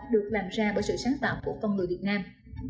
được làm ra bởi sự sáng tạo của con người việt nam